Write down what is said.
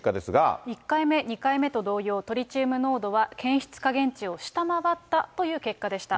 １回目、２回目と同様、トリチウム濃度は、検出下限値を下回ったという結果でした。